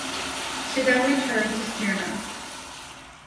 She then returned to Smyrna.